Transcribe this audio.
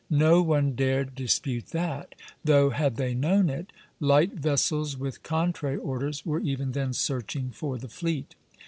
No one dared dispute that; though, had they known it, light vessels with contrary orders were even then searching for the fleet.